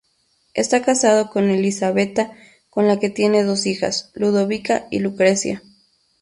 Está casado con Elisabetta, con la que tiene dos hijas: Ludovica y Lucrezia.